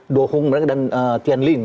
do hong dan tian lin